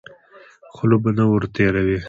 خوله به نه ور تېروې.